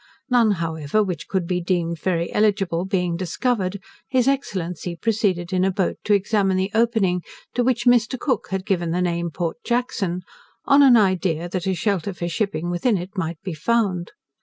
None, however, which could be deemed very eligible, being discovered, his Excellency proceeded in a boat to examine the opening, to which Mr. Cook had given the name of Port Jackson, on an idea that a shelter for shipping within it might be found.